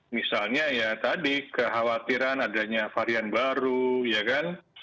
misalnya ya tadi kekhawatiran adanya varian baru ya kan